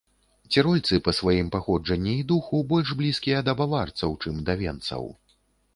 Цірольцы па сваім паходжанні і духу больш блізкія да баварцаў, чым да венцаў.